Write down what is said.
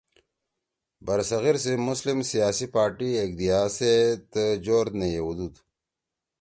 برصغیر سی مسلم سیاسی پارٹی ایکدیِا سیت جور نے یِؤدُود